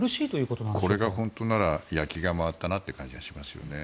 これが本当なら焼きが回ったなという感じがしますよね。